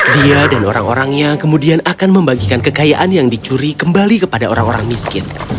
dia dan orang orangnya kemudian akan membagikan kekayaan yang dicuri kembali kepada orang orang miskin